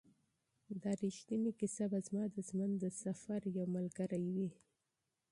دا ریښتینې کیسه به زما د ژوند د سفر یو ملګری وي.